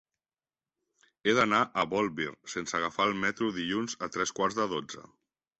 He d'anar a Bolvir sense agafar el metro dilluns a tres quarts de dotze.